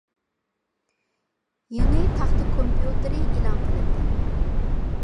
يېڭى تاختا كومپيۇتېرى ئېلان قىلىندى.